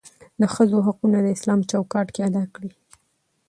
دښځو حقونه داسلام چوکاټ کې ادا کړى.